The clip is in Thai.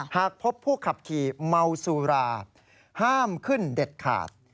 หากพบผู้ขับขี่เมาสุราห้ามขึ้นเด็ดขาด